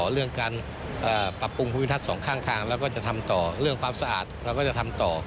เรื่องการปรับปรุงภูมิทัศน์สองข้างทางแล้วก็จะทำต่อเรื่องความสะอาดเราก็จะทำต่อ